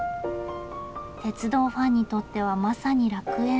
鉄道ファンにとってはまさに楽園。